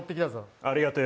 ありがとよ。